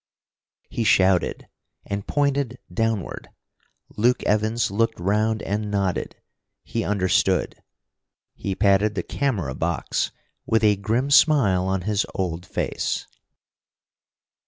_ He shouted, and pointed downward. Luke Evans looked round and nodded. He understood. He patted the camera box with a grim smile on his old face.